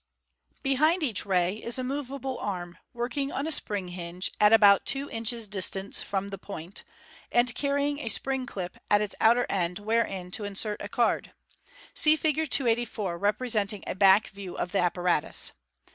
Behind each " ray " is a moveable arm, working on a spring hinge at about two inches' distance from the point, and carrying a spring clip at its outer end wherein to insert a card. (See Fig. 284, representing a back view of the apparatus.)